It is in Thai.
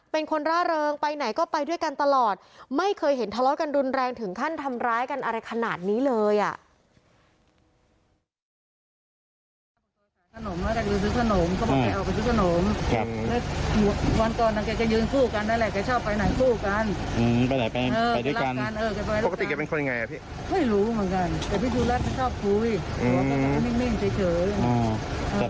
เป็นคนร่าเริงไปไหนก็ไปด้วยกันตลอดไม่เคยเห็นทะเลาะกันรุนแรงถึงขั้นทำร้ายกันอะไรขนาดนี้เลยอ่ะ